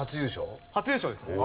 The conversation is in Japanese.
初優勝ですね。